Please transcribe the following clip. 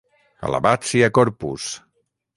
Alabat sia Corpus!